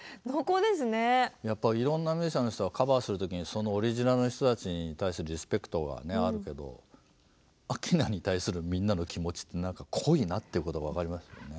やっぱいろんなミュージシャンの人がカバーする時にそのオリジナルの人たちに対するリスペクトはねあるけど明菜に対するみんなの気持ちってなんか濃いなっていうことが分かりますよね。